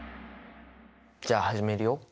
じゃあ始めるよ。